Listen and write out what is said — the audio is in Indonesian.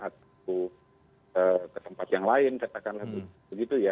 atau ke tempat yang lain katakanlah begitu ya